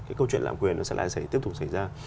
cái câu chuyện lạm quyền nó sẽ lại sẽ tiếp tục xảy ra